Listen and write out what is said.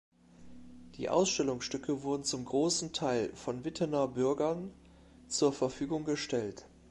Die Ausstellungsstücke wurden zum großen Teil von Wittener Bürgern zur Verfügung gestellt.